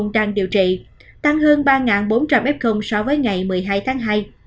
tăng hơn ba bốn trăm linh f so với ngày một mươi hai tháng hai